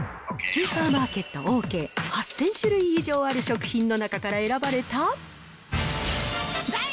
スーパーマーケット、オーケー、８０００種類以上ある食品の中から選ばれた。